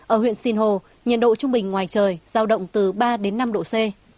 ở huyện sinh hồ nhiệt độ trung bình ngoài trời giao động từ ba đến năm độ c